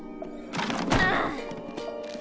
ああ！